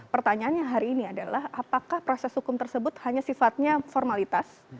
pertanyaannya hari ini adalah apakah proses hukum tersebut hanya sifatnya formalitas